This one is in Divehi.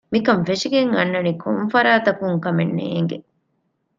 މިކަން ފެށިގެން އަންނަނީ ކޮށްފަރާތަކުން ކަމެއް ނޭނގެ